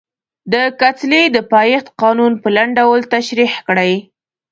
د کتلې د پایښت قانون په لنډ ډول تشریح کړئ.